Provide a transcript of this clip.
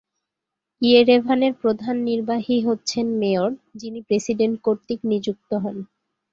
ইয়েরেভানের প্রধান নির্বাহী হচ্ছেন মেয়র, যিনি প্রেসিডেন্ট কর্তৃক নিযুক্ত হন।